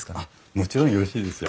もちろんよろしいですよ。